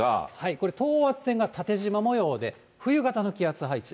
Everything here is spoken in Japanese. これ、等圧線が縦じま模様で、冬型の気圧配置。